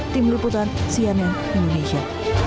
tim luputan cnn indonesia